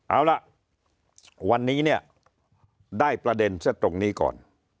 เอาล่ะวันนี้เนี่ยได้ประเด็นซะตรงนี้ก่อน